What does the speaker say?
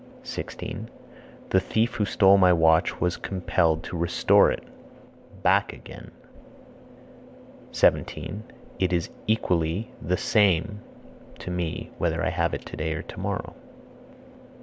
16. The thief who stole my watch was compelled to restore it (back again). 17. It is equally (the same) to me whether I have it today or tomorrow.